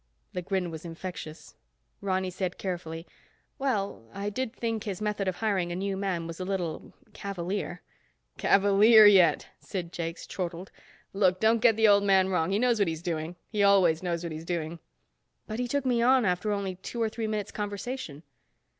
The grin was infectious. Ronny said carefully, "Well, I did think his method of hiring a new man was a little—cavalier." "Cavalier, yet," Sid Jakes chortled. "Look, don't get the Old Man wrong. He knows what he's doing. He always knows what he's doing." "But he took me on after only two or three minutes conversation."